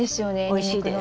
おいしいです。